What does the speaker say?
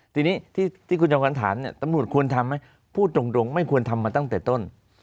ทีนี้ที่คุณจอมขวัญถามตำรวจควรทำไหมพูดตรงไม่ควรทำมาตั้งแต่ต้น